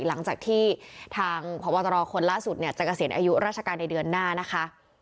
หลังจากที่ทางพบตรคนล่าสุดเนี่ยจะเกษียณอายุราชการในเดือนหน้านะคะ